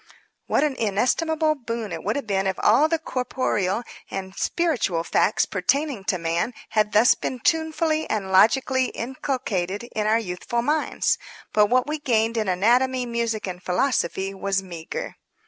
What an inestimable boon it would have been if all the corporeal and spiritual facts pertaining to man had thus been tunefully and logically inculcated in our youthful minds! But what we gained in anatomy, music and philosophy was meagre.